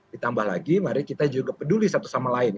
ditambah lagi mari kita juga peduli satu sama lain